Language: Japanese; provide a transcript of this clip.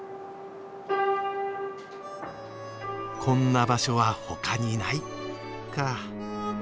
こんな場所はほかにないか。